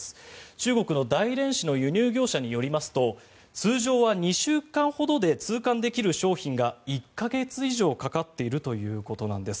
中国の大連市の輸入業者によりますと通常は２週間ほどで通関できる商品が１か月以上かかっているということです。